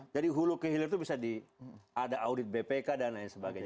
jadi hulu kehilir itu bisa ada audit bpk dan lain sebagainya